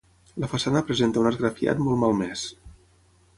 La façana presenta un esgrafiat molt malmès.